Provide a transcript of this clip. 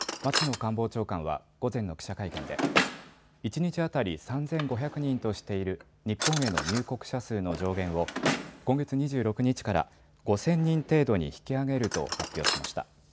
官房長官は午前の記者会見で一日当たり３５００人としている日本への入国者数の上限を今月２６日から５０００人程度に引き上げると発表しました。